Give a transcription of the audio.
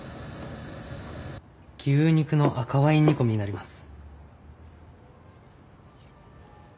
牛肉の赤ワイン煮込みになります。